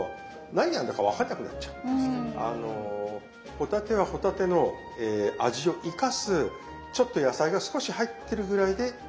帆立ては帆立ての味を生かすちょっと野菜が少し入ってるぐらいでいいと。